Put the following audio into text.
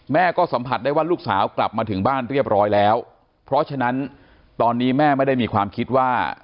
แม่ก็สัมผัสได้ว่าลูกสาวกลับมาถึงบ้านเรียบร้อยแล้วเพราะฉะนั้นตอนนี้แม่ไม่ได้มีความคิดว่า